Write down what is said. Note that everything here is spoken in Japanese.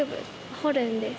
ホルンです。